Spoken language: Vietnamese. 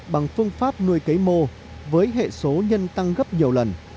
bằng phương pháp nuôi cấy mô với hệ số nhân tăng gấp nhiều lần